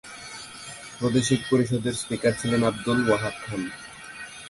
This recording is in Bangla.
প্রাদেশিক পরিষদের স্পীকার ছিলেন আব্দুল ওহাব খান।